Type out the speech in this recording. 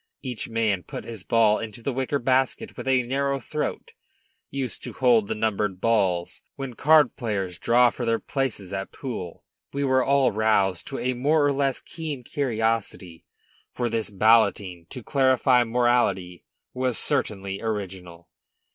Each man put his ball into the wicker basket with a narrow throat, used to hold the numbered balls when card players draw for their places at pool. We were all roused to a more or less keen curiosity; for this balloting to clarify morality was certainly original.